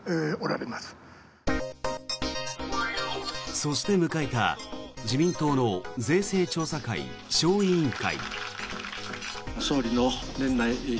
そして迎えた自民党の税制調査会小委員会。